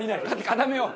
固めよう！